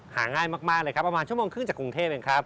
หาง่ายมากเลยครับประมาณชั่วโมงครึ่งจากกรุงเทพเองครับ